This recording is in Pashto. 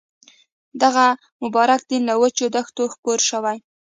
دغه مبارک دین له وچو دښتو خپور شوی.